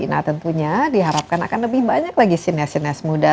nah tentunya diharapkan akan lebih banyak lagi sinias sinias muda